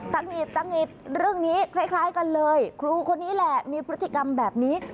หงิดตะหงิดเรื่องนี้คล้ายกันเลยครูคนนี้แหละมีพฤติกรรมแบบนี้